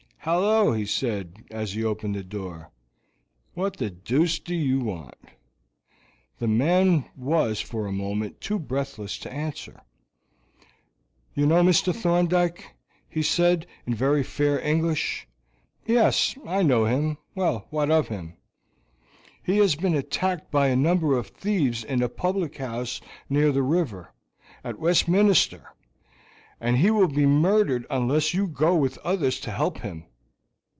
"Hallo," he said, as he opened the door, "what the deuce do you want?" The man was for a moment too breathless to answer. "You know Mr. Thorndyke," he said at last, in very fair English. "Yes, I know him. Well, what of him?" "He has been attacked by a number of thieves in a public house near the river, at Westminster, and he will be murdered unless you go with others to help him."